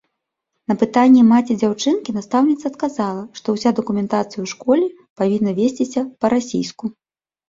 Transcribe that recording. На пытанне маці дзяўчынкі настаўніца адказала, што ўся дакументацыя ў школе павінна весціся па-расійску.